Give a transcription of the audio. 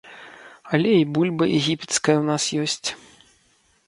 Але і бульба егіпецкая ў нас ёсць.